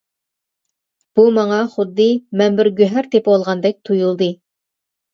بۇ ماڭا خۇددى مەن بىر گۆھەر تېپىۋالغاندەك تۇيۇلدى.